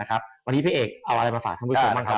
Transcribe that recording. วันนี้พี่เอกเอาอะไรมาฝากท่านผู้ชมบ้างครับ